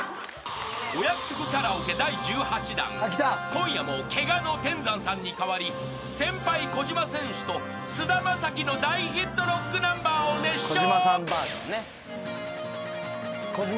［今夜もケガの天山さんに代わり先輩小島選手と菅田将暉の大ヒットロックナンバーを熱唱］